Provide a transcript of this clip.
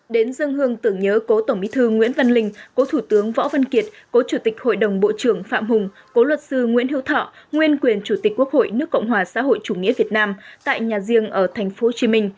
đến dân hương tưởng nhớ cố tổng bí thư nguyễn văn linh cố thủ tướng võ văn kiệt cố chủ tịch hội đồng bộ trưởng phạm hùng cố luật sư nguyễn hữu thọ nguyên quyền chủ tịch quốc hội nước cộng hòa xã hội chủ nghĩa việt nam tại nhà riêng ở tp hcm